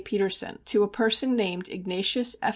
Petersen to a person named Ignatius F.